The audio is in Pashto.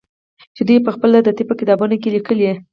چې دوى پخپله د طب په کتابونو کښې ليکلي.